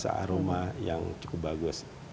cita rasa aroma yang cukup bagus